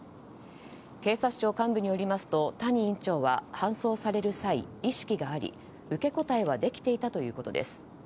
警察庁幹部によりますと谷委員長は搬送される際、意識があり受け答えはできていたということです。